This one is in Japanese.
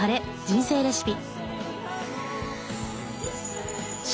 人生レシピ」